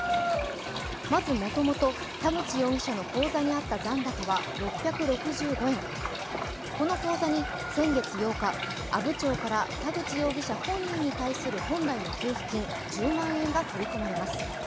まずもともと田口容疑者の口座にあった残高は６６５円、この口座に先月８日、阿武町から田口容疑者本人に対する本来の給付金、１０万円が振り込まれます。